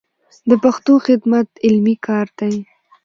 د پښتو خدمت علمي کار دی.